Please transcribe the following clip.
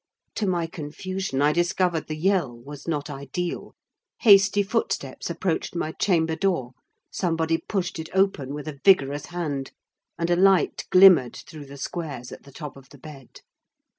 To my confusion, I discovered the yell was not ideal: hasty footsteps approached my chamber door; somebody pushed it open, with a vigorous hand, and a light glimmered through the squares at the top of the bed.